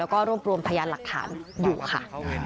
แล้วก็รวบรวมพยานหลักฐานอยู่ค่ะ